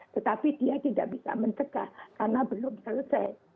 tetapi dia tidak bisa mencegah karena belum selesai